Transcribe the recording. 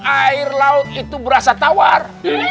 air laut itu berasa tawar